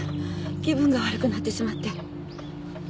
気分が悪くなってしまって